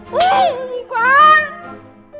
wih mbak andin